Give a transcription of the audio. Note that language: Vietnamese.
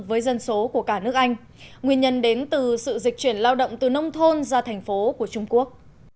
với dân số của cả nước anh nguyên nhân đến từ sự dịch chuyển lao động từ nông thôn ra thành phố của trung quốc